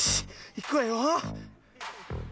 いくわよ。